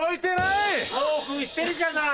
興奮してるじゃない！